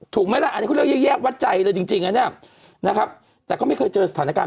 ถูกมั้ยล่ะอันนี้คุณเรียกว่าแยกวัดใจเลยจริงนะครับแต่ก็ไม่เคยเจอสถานการณ์